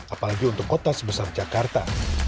apalagi untuk kota sebesar jakarta